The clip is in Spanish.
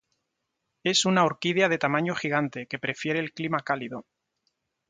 Es una orquídea de tamaño gigante, que prefiere el clima cálido.